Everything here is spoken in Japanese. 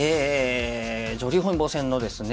女流本因坊戦のですね